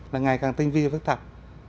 là ngày càng tinh vi và phức tạp